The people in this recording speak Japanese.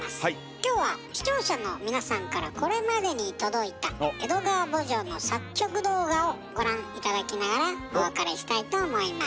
今日は視聴者の皆さんからこれまでに届いた「江戸川慕情」の作曲動画をご覧頂きながらお別れしたいと思います。